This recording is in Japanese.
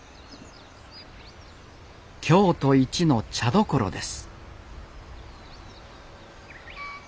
京都一の茶どころです